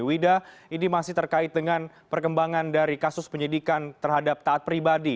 wida ini masih terkait dengan perkembangan dari kasus penyidikan terhadap taat pribadi